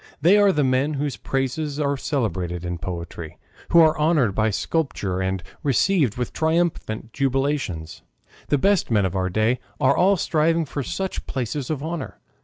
They are the men whose praises are celebrated in poetry, who are honored by sculpture and received with triumphant jubilations. The best men of our day are all striving for such places of honor.